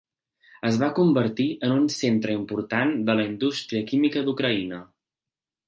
Es va convertir en un centre important de la indústria química d'Ucraïna.